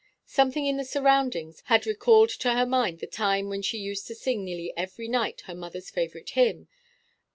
Something in the surroundings had recalled to her mind the time when she used to sing nearly every night her mother's favourite hymn.